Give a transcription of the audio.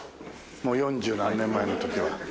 もう四十何年前の時は。